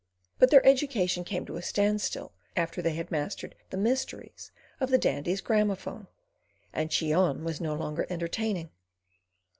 But their education came to a standstill after they had mastered the mysteries of the Dandy's gramophone, and Cheon was no longer entertaining.